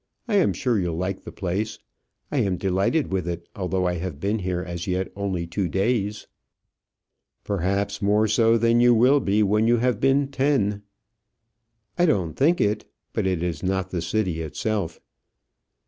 I am sure you'll like the place. I am delighted with it, although I have been here as yet only two days." "Perhaps more so than you will be when you have been ten." "I don't think it. But it is not the city itself."